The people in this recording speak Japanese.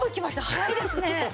早いですね。